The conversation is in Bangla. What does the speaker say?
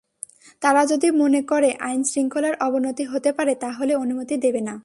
তারা যদি মনে করে আইনশৃঙ্খলার অবনতি হতে পারে, তাহলে অনুমতি দেবে না।